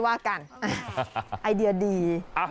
ว่ากันไอเดียดี